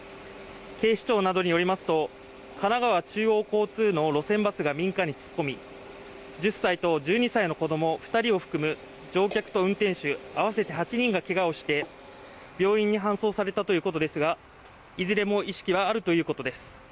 警視庁などによりますと神奈川中央交通の路線バスが民家に突っ込み、１０歳と１２歳の子供２人を含む乗客と運転手合わせて８人がけがをして病院に搬送されたということですがいずれも意識はあるということです。